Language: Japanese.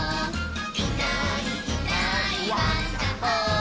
「いないいないワンダホー」